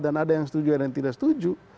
dan ada yang setuju ada yang tidak setuju